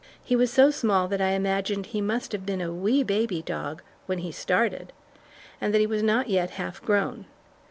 He was so small that I imagined he must have been a wee baby dog when he started, and that he was not yet half grown.